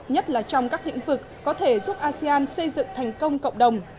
nhất là trong các lĩnh vực có thể giúp asean xây dựng thành công cộng đồng